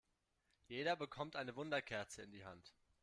Jeder bekommt eine Wunderkerze in die Hand.